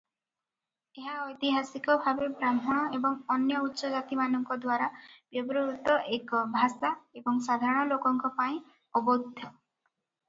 ଏହା ଐତିହାସିକ ଭାବେ ବ୍ରାହ୍ମଣ ଏବଂ ଅନ୍ୟ ଉଚ୍ଚ ଜାତିମାନଙ୍କ ଦ୍ୱାରା ବ୍ୟବହୃତ ଏକ ଭାଷା ଏବଂ ସାଧାରଣ ଲୋକଙ୍କ ପାଇଁ ଅବୋଧ୍ୟ ।